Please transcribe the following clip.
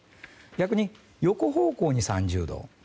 逆に横方向に３０度。